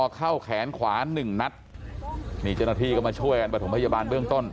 แขนขวาหนึ่งนัดนี่เจ้าหน้าที่ก็มาช่วยกันประถมพยาบาลเบื้องต้น